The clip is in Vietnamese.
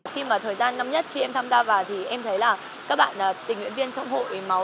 khi mà thời gian năm nhất khi em tham gia vào thì em thấy là các bạn tình nguyện viên trong hội máu